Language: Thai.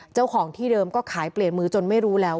เจ้าของที่เดิมก็ขายเปลี่ยนมือจนไม่รู้แล้ว